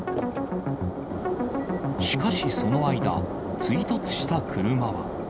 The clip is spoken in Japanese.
しかしその間、追突した車は。